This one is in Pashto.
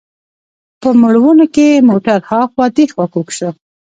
په موړونو کې موټر هاخوا دیخوا کوږ شو.